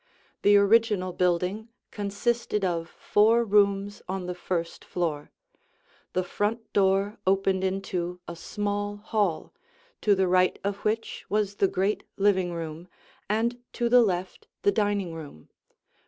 The original building consisted of four rooms on the first floor. The front door opened into a small hall, to the right of which was the great living room, and to the left the dining room.